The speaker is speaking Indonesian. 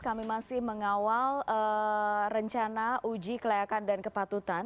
kami masih mengawal rencana uji kelayakan dan kepatutan